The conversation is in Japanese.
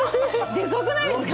でかくないですか！？